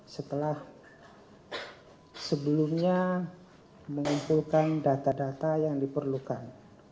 setelah sebelumnya mengumpulkan data data yang diperlukan